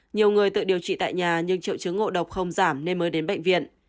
nhiều người tự điều trị tại nhà nhưng triệu chứng ngộ độc không giảm nên mới đến bệnh viện